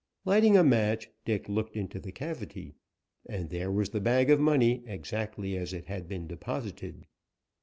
Lighting a match, Dick looked into the cavity, and there was the bag of money exactly as it had been deposited.